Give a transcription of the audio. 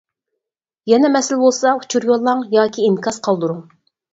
يەنە مەسىلە بولسا ئۇچۇر يوللاڭ ياكى ئىنكاس قالدۇرۇڭ.